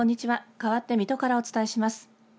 かわって水戸からお伝えします。